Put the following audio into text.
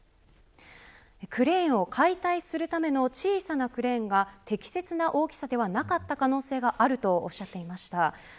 クレーンを解体するための小さなクレーンが適切な大きさではなかった可能性があるとおっしゃっていました。